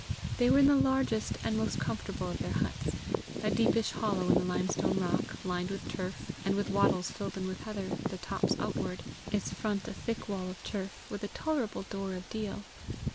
They were in the largest and most comfortable of their huts a deepish hollow in the limestone rock, lined with turf, and with wattles filled in with heather, the tops outward; its front a thick wall of turf, with a tolerable door of deal.